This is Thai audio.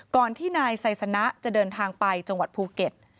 ที่นายไซสนะจะเดินทางไปจังหวัดภูเก็ต